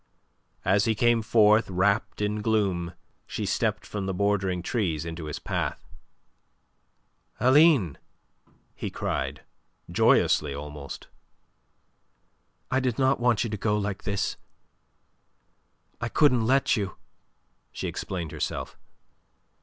As he came forth wrapped in gloom, she stepped from the bordering trees into his path. "Aline!" he cried, joyously almost. "I did not want you to go like this. I couldn't let you," she explained herself.